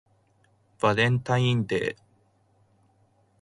バレンタインデー